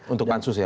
untuk pansus ya